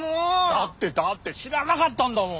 だってだって知らなかったんだもん。